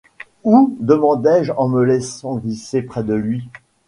Où ? demandai-je en me laissant glisser près de lui.